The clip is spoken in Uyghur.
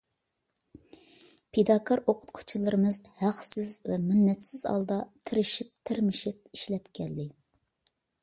پىداكار ئوقۇتقۇچىلىرىمىز ھەقسىز ۋە مىننەتسىز ھالدا، تىرىشىپ-تىرمىشىپ ئىشلەپ كەلدى.